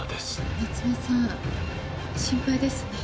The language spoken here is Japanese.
夏目さん、心配ですね。